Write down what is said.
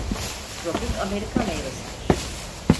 Tropik Amerika meyvesidir.